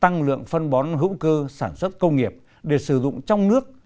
tăng lượng phân bón hữu cơ sản xuất công nghiệp để sử dụng trong nước